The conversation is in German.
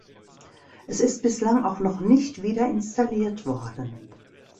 Es ist bislang auch noch nicht wieder installiert worden.